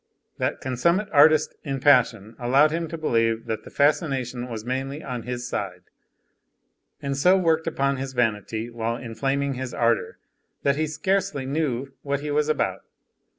That consummate artist in passion allowed him to believe that the fascination was mainly on his side, and so worked upon his vanity, while inflaming his ardor, that he scarcely knew what he was about.